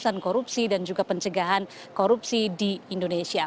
pemberantasan korupsi dan juga pencegahan korupsi di indonesia